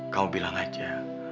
kamu bilang aja